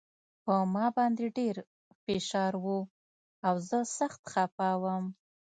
په ما باندې ډېر فشار و او زه سخت خپه وم